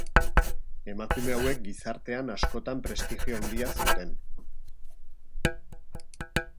Emakume hauek gizartean askotan prestigio handia zuten.